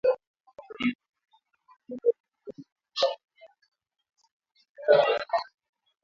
Ngombe wanaweza kuathirika na ugonjwa wa mapele ya ngozi kwa asilimia tatu hadi themanini